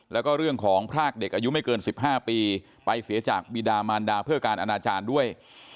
แล้วก็เรื่องของพรากเด็กอายุไม่เกิน๑๕ปีไปเสียจากบีดามานดาเพื่อการอนาจารย์ด้วย